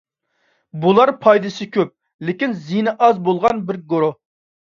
بۇلار پايدىسى كۆپ، لېكىن زىيىنى ئاز بولغان بىر گۇرۇھ.